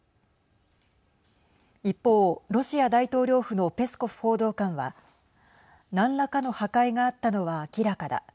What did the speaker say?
一方、ロシア大統領府のペスコフ報道官は何らかの破壊があったのは明らかだ。